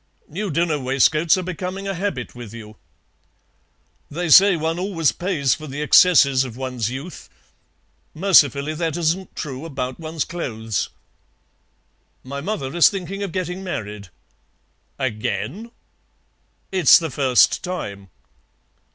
New dinner waistcoats are becoming a habit with you." "They say one always pays for the excesses of one's youth; mercifully that isn't true about one's clothes. My mother is thinking of getting married." "Again!" "It's the first time."